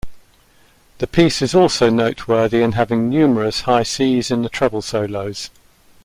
The piece is also noteworthy in having numerous high Cs in the treble solos.